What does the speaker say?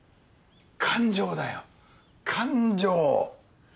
感情だよ感情！